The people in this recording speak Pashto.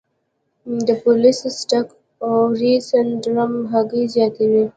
د پولی سیسټک اووری سنډروم هګۍ زیاتوي.